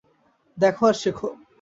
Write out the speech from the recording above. দ্যাখো আর শেখো।